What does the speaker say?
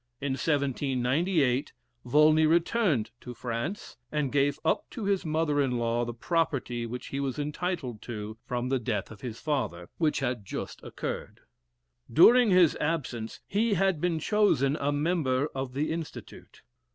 In 1798, Volney returned to France, and gave up to his mother in law the property which he was entitled to from the death of his father, which had just occurred. During his absence, he had been chosen a member of the Institute.